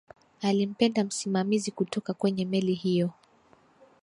alimpenda msimamizi kutoka kwenye meli hiyo